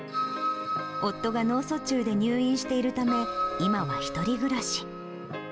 夫が脳卒中で入院しているため、今は１人暮らし。